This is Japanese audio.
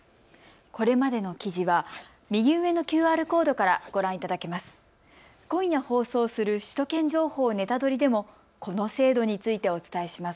これまでの記事は右上のＱＲコードからご覧いただけます。